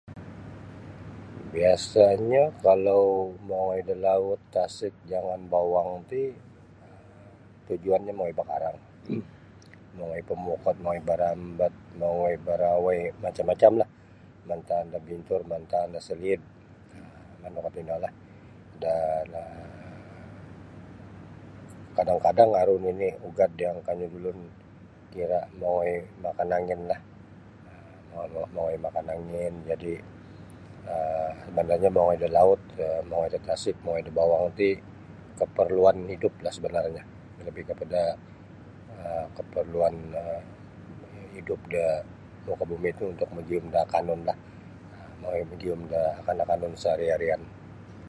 Biasanyo kalau mongoi da laut tasik jangan bawang ti tujuannyo mongoi bakarang um mongoi pamukot mongoi barambat mongoi barawai macam-macamlah mantaan da bintur mantaan da saliid manu kuo tinolah dan um kadang-kadang aru nini ugad yang kanyu da ulun kira ugad mongoi makan angin sebenarnyo mongoi da laut mongoi da tasik mongoi da bawang ti keperluan hiduplah sebenarnyo lebih kepada keperluan hidup da mukabumi ti untuk magiyum da keperluan akanunlah mongoi magiyum da akan akanun da sehari-harian.